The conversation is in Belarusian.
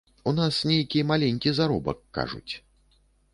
У нас нейкі маленькі заробак, кажуць.